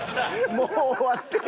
もう終わってよ！